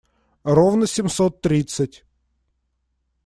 Ровно семьсот тридцать.